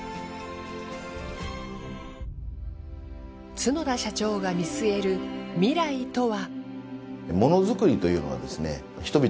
角田社長が見据える未来とは。